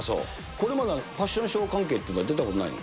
これまでファッションショー関係っていうのは出たことないの？